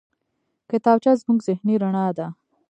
کتابچه زموږ ذهني رڼا ده